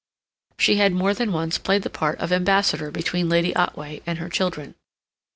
She had more than once played the part of ambassador between Lady Otway and her children.